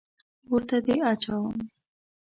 اور ته دې اچوم.